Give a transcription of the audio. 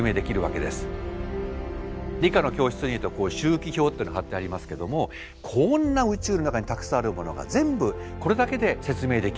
理科の教室に行くと周期表っていうのがはってありますけどもこんな宇宙の中にたくさんあるものが全部これだけで説明できる。